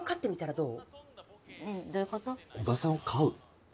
どう？